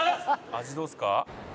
「味どうですか？